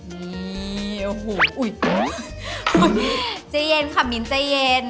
นี่โอ้โหอุ้ยโอ้ยเจ๋ยเย็นค่ะมิ้นเจ๋ยเย็น